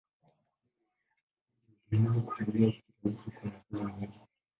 Hivyo vinaweza kutolewa kirahisi kwa nakala nyingi.